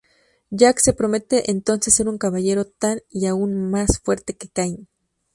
Jack se promete entonces ser un caballero tan y aún más fuerte que Cain.